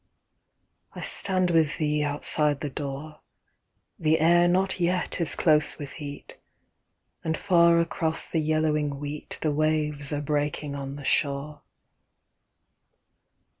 I stand with thee outside the door, The air not yet is close with heat, And far across the yellowing wheat The waves are breaking on the shore.